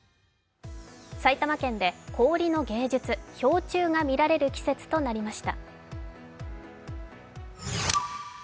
埼玉県で氷の芸術、氷柱が見られる季節となりました。